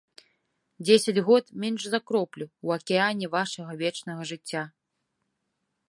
Дзесяць год менш за кроплю ў акіяне вашага вечнага жыцця.